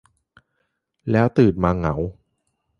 แล้วตื่นมาเหงา